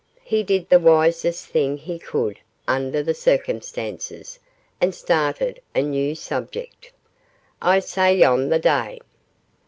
He did the wisest thing he could under the circumstances, and started a new subject. 'I say yon the day.